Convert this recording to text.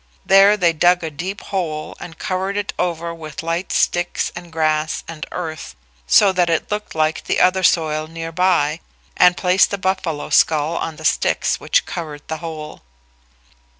There they dug a deep hole and covered it over with light sticks and grass and earth, so that it looked like the other soil near by, and placed the buffalo skull on the sticks which covered the hole.